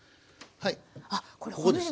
はい。